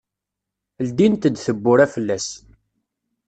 Ldint-d tewwura fell-as.